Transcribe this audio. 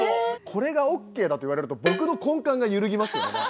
これがＯＫだと言われると僕の根幹が揺るぎますよね。